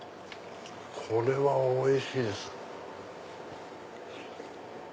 これはおいしいです！